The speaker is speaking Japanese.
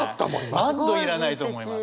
「マッド」いらないと思います。